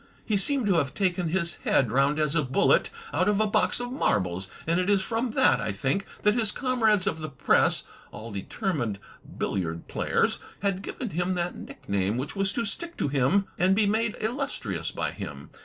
He seemed to have taken his head — round as a bullet — out of a box of marbles, and it is from that, I think, that his comrades of the press — ^all determined billiard players — had given him that nickname, which was to stick to him and be made illustrious by him.